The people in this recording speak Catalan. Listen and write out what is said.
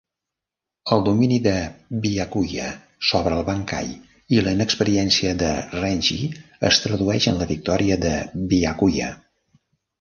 El domini de Byakuya sobre el bankai i la inexperiència de Renji es tradueix en la victòria de Byakuya.